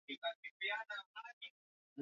labda nigeukie kwa akina dada wasusi wenyewe